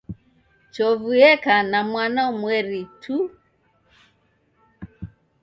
Chovu eka na mwana umweri tu.